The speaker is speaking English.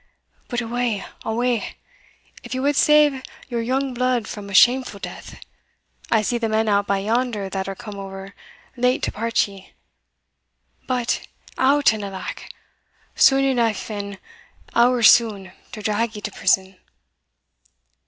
But awa, awa, if ye wad save your young blood from a shamefu' death I see the men out by yonder that are come ower late to part ye but, out and alack! sune eneugh, and ower sune, to drag ye to prison."